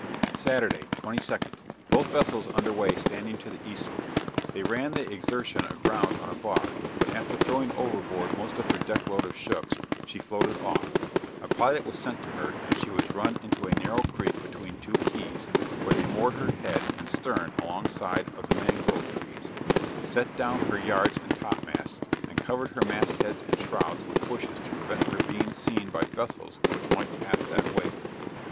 Saturday, 22d. Both vessels under way standing to the eastward, they ran the Exertion aground on a bar, but after throwing overboard most of her deck load of shooks, she floated off; a pilot was sent to her, and she was run into a narrow creek between two keys, where they moored her head and stern along side of the mangrove trees, set down her yards and topmasts, and covered her mast heads and shrouds with bushes to prevent her being seen by vessels which might pass that way.